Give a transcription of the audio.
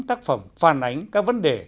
tác phẩm phàn ánh các vấn đề